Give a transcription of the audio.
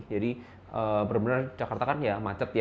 jadi benar benar jakarta kan ya macet